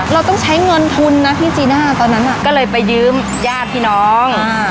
เราต้องใช้เงินทุนนะพี่จีน่าตอนนั้นก็เลยไปยืมญาติพี่น้อง